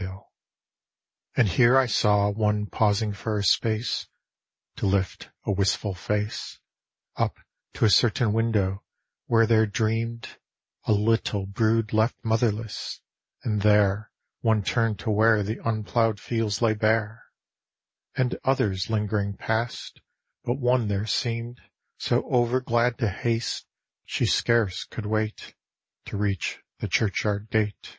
D,gt,, erihyG0t)gle 'A Ballad of Hallowe'en "j And here I saw one pausing for a space To lift a wistful face Up to a certain window where there dreamed A little brood left motherless; and there One turned to where the unploughed fields lay bare; And others lingering passed — but one there seemed So over glad to haste, she scarce could wait To reach the churchyard gate